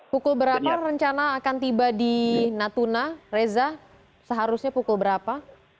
pukul berapa rencana akan tiba di natuna reza seharusnya pukul berapa